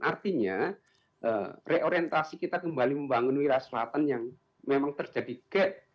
artinya reorientasi kita kembali membangun wilayah selatan yang memang terjadi gap